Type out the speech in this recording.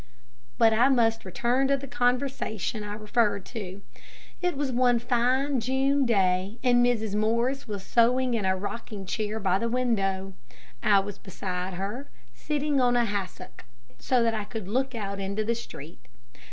But I must return to the conversation I referred to. It was one fine June day, and Mrs. Morris was sewing in a rocking chair by the window. I was beside her, sitting on a hassock, so that I could look out into the street.